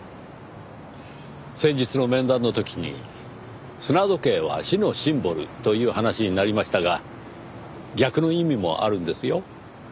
先日の面談の時に砂時計は死のシンボルという話になりましたが逆の意味もあるんですよ。